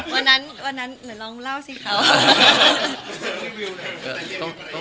วันนั้นเหลืองเล่าซิเค้า